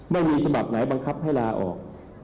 ไม่มีฉบับไหนบังคับให้ลาออก